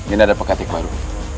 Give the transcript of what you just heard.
ini ada pekatik baru